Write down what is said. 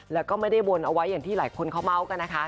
แล้วก็ไม่ได้วนเอาไว้อย่างที่หลายคนเขาเมาส์กันนะคะ